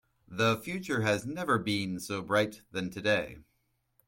The future has never been so bright than today.